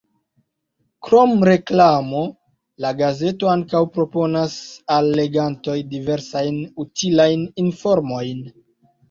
Krom reklamo, la gazeto ankaŭ proponas al legantoj diversajn utilajn informojn.